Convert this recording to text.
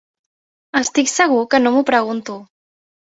Estic segur que no m'ho pregunto!